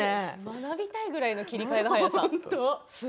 学びたいくらいの切り替えの早さ。